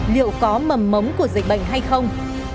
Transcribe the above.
liệu có mầm mấm của dịch bệnh hay không